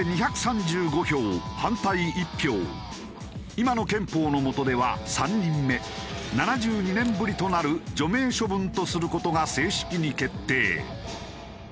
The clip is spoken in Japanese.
今の憲法のもとでは３人目７２年ぶりとなる除名処分とする事が正式に決定。